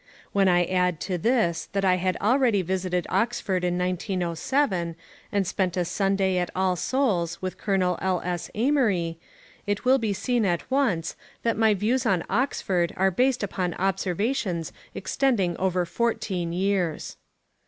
When I add to this that I had already visited Oxford in 1907 and spent a Sunday at All Souls with Colonel L. S. Amery, it will be seen at once that my views on Oxford are based upon observations extending over fourteen years.